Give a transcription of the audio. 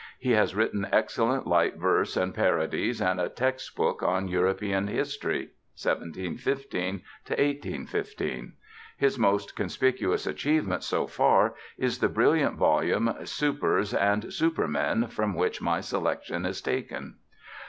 He has written excellent light verse and parodies, and a textbook on European history, 1715 1815. His most conspicuous achievement so far is the brilliant volume Supers and Supermen, from which my selection is taken.